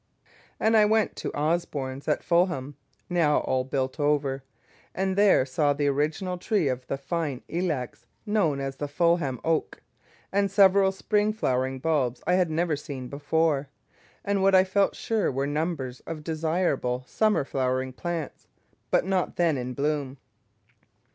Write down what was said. And I went to Osborne's at Fulham (now all built over), and there saw the original tree of the fine Ilex known as the Fulham Oak, and several spring flowering bulbs I had never seen before, and what I felt sure were numbers of desirable summer flowering plants, but not then in bloom.